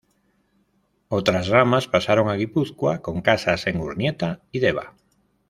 Otras ramas pasaron a Guipúzcoa, con casas en Urnieta y Deva.